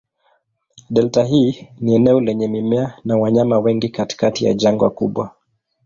Delta hii ni eneo lenye mimea na wanyama wengi katikati ya jangwa kubwa.